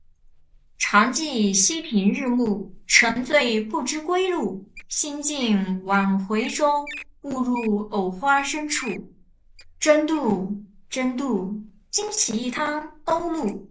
常记溪亭日暮，沉醉不知归路，兴尽晚回舟，误入藕花深处，争渡，争渡，惊起一滩鸥鹭